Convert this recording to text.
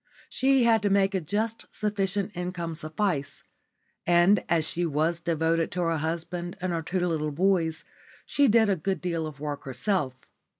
She had to make a just sufficient income suffice, and as she was devoted to her husband and her two little boys she did a good deal of work herself.